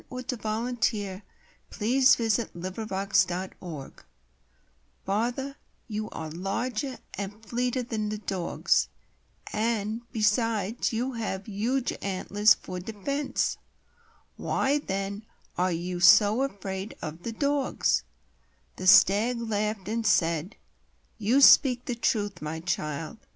THE STAG AND THE FAWN A Fawn once said to a Stag: "Father, you are larger and fleeter than the dogs, and, besides, you have huge antlers for defence; why, then, are you so afraid of the dogs?" The Stag laughed, and said: "You speak the truth, my child.